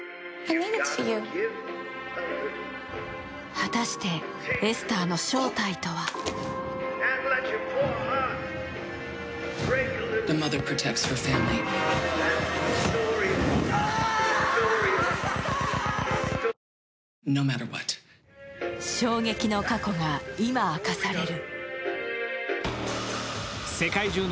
果たしてエスターの正体とは？衝撃の過去が今、明かされる。